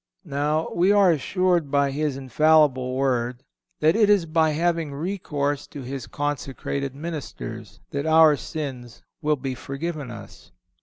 Now, we are assured by His infallible word that it is by having recourse to His consecrated ministers that our sins will be forgiven us.